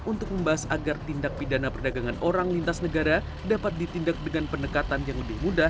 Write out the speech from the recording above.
untuk membahas agar tindak pidana perdagangan orang lintas negara dapat ditindak dengan pendekatan yang lebih mudah